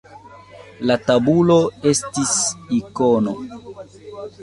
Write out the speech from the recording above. La tabulo estis ikono.